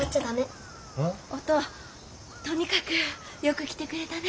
おとうとにかくよく来てくれたね。